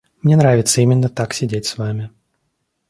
Мне нравится именно так сидеть с вами.